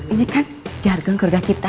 ini kan jargon keluarga kita